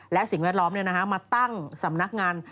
และสิ่งแวดล้อมมาตั้งสำนักงาน